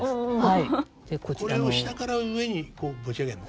これを下から上に持ち上げるの？